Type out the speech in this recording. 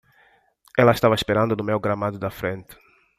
Ela estava esperando no meu gramado da frente.